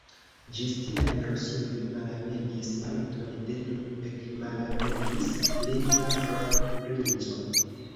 Ĝis tiam Rusujo malamegis Maluton, de nun ekmalamegis lin la kronprinco.